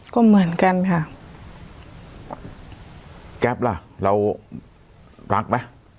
ก็เหมือนกันค่ะแก๊ปล่ะเรารักไหม